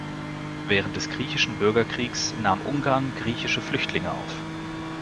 Während des griechischen Bürgerkriegs nahm Ungarn griechische Flüchtlinge auf.